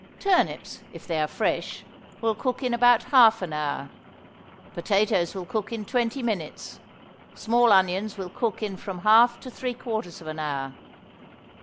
Turnips, if they are fresh, will cook in about half an hour. Potatoes will cook in twenty minutes; small onions will cook in from half to three quarters of an hour.